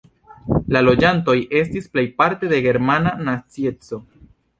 La loĝantoj estis plejparte de germana nacieco.